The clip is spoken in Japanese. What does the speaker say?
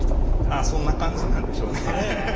ああそんな感じなんでしょうね。